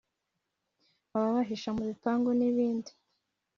ababahisha mu bipangu n’ibindi